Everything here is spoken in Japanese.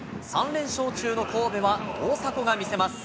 ３連勝中の神戸は大迫が見せます。